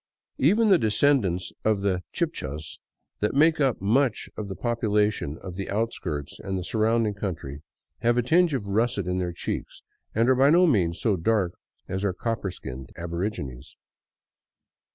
Even the descendants of the Chibchas, that make up much of the population of the outskirts and the surrounding country, have a tinge of russet in their cheeks, and are by no means so dark as our copper skinned aborigines.